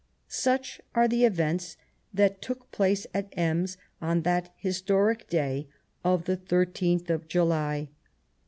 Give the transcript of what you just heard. Such are the events that took place at Ems on that historic day of the 13th of July.